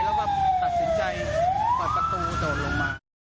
แล้วก็ตัดสินใจปล่อยปล่อยปลูกกระโดดลงมา